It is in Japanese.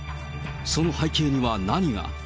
その背景には何が？